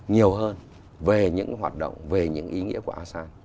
nhiều hơn về những hoạt động về những ý nghĩa của asean